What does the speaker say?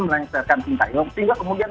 melancarkan sintayong sehingga kemudian